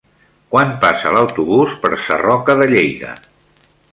Quan passa l'autobús per Sarroca de Lleida?